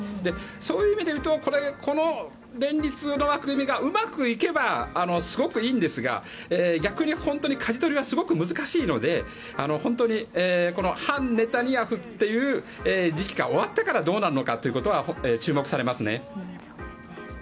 そういう意味で言うとこの連立の枠組みがうまくいけばすごくいいんですが逆に本当にかじ取りはすごく難しいので本当に反ネタニヤフという時期が終わってからどうなるのかというのは注目されますね。